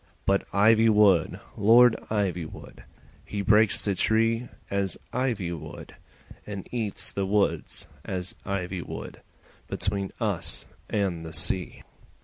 But Ivywood, Lord Ivywood, He breaks the tree as ivy would, And eats the woods as ivy would Between us and the sea.